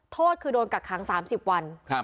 โทษคือโดนกักขัง๓๐วัน